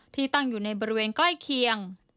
ที่ตั้งอยู่ในบริเวณใกล้เคียง